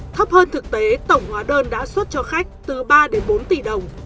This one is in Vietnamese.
thật ra thấp hơn thực tế tổng hóa đơn đã xuất cho khách từ ba bốn tỷ đồng